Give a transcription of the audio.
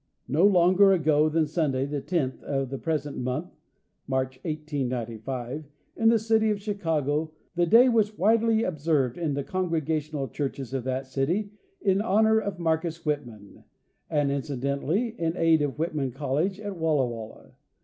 No longer ago than Sunday, the tenth of the present month (March, 1895), in the city of Chicago, the day was widely ob | served in the Congregational churches of that city in honor of Marcus Whitman, and incidentally in aid of Whitman college at Walla Walla.